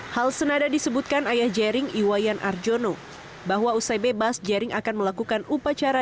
hal senada disebutkan ayah jering iwayan arjono bahwa usai bebas jering akan melakukan upacara